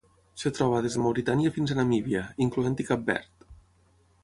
Es troba des de Mauritània fins a Namíbia, incloent-hi Cap Verd.